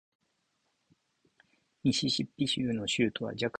ミシシッピ州の州都はジャクソンである